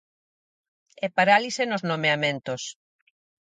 E parálise nos nomeamentos.